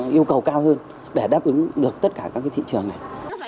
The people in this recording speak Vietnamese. yêu cầu cao hơn để đáp ứng được tất cả các thị trường này